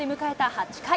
８回。